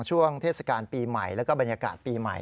ช่วงเทศกาลปีใหม่แล้วก็บรรยากาศปีใหม่